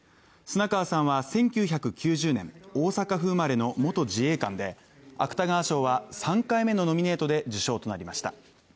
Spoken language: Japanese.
砂川さんは１９９０年、大阪府生まれの元自衛官で芥川賞は３回目のノミネートで受賞となりました。